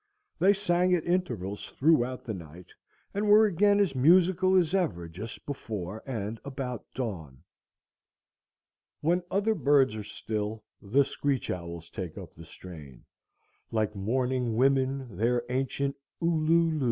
They sang at intervals throughout the night, and were again as musical as ever just before and about dawn. When other birds are still the screech owls take up the strain, like mourning women their ancient u lu lu.